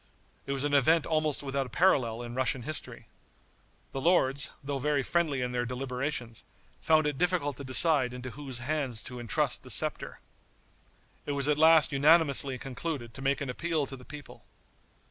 It was an event almost without a parallel in Russian history. The lords, though very friendly in their deliberations, found it difficult to decide into whose hands to intrust the scepter. It was at last unanimously concluded to make an appeal to the people.